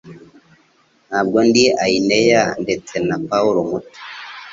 Ntabwo ndi Aineya ndetse na Pawulo muto